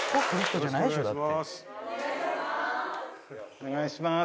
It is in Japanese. お願いします。